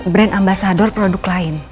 brand ambasador produk lain